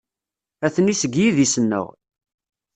Atni seg yidis-nneɣ.